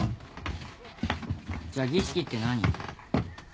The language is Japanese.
じゃあ儀式って何？